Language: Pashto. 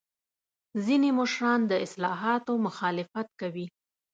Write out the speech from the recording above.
ځینې مشران د اصلاحاتو مخالفت کوي.